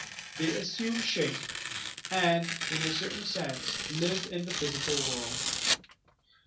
They assume shape and, in a certain sense, live in tbe physical world.